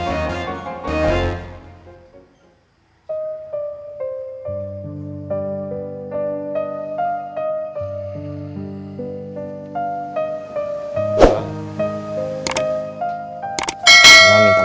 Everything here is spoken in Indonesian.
uh mau becek becek